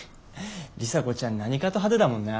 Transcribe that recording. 里紗子ちゃん何かと派手だもんな。